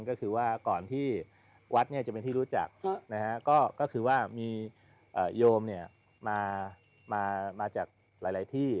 ก็คือว่าก่อนที่วัดเนี่ยจะเป็นที่รู้จักนะครับก็คือว่ามีโยมเนี่ยมาจากหลายที่